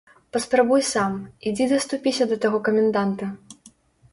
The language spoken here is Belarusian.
Папрабуй сам, ідзі даступіся да таго каменданта.